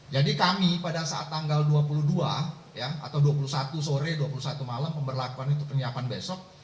jadi kami pada saat tanggal dua puluh dua atau dua puluh satu sore dua puluh satu malam pemberlakuan itu perniapan besok